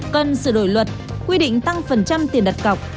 cần sửa đổi luật quy định tăng phần trăm tiền đặt cọc